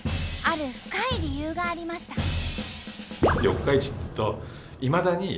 ある深い理由がありました。